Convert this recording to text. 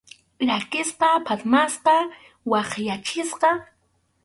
Rakisqa, phatmasqa, wakyachisqa.